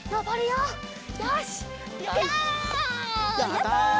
やった！